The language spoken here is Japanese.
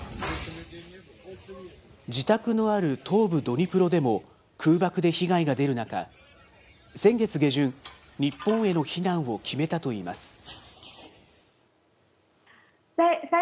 自宅のある東部ドニプロでも空爆で被害が出る中、先月下旬、日本への避難を決めたといいます。